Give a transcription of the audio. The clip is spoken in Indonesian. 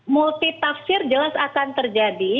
multi tafsir jelas akan terjadi